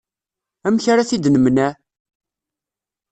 Amek ara t-id-nemneε?